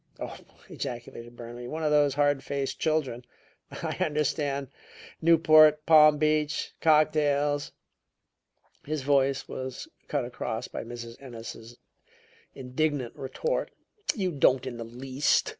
"Oh!" ejaculated Burnaby. "One of those hard faced children! I understand Newport, Palm Beach, cocktails " His voice was cut across by Mrs. Ennis's indignant retort. "You don't in the least!"